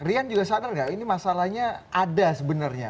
rian juga sadar gak ini masalahnya ada sebenarnya